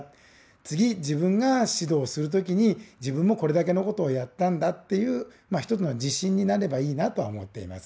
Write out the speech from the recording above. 次自分が指導する時に自分もこれだけのことをやったんだっていうまあ一つの自信になればいいなとは思っています。